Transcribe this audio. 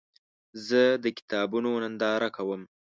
زه د کتابونو ننداره کوم.